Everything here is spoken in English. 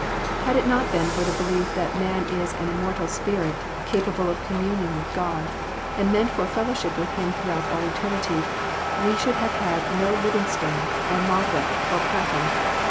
Had it not been for the belief that man is an immortal spirit capable of communion with God, and meant for fellowship with Him throughout all eternity, we should have had no Livingstone or Moffatt or Paton.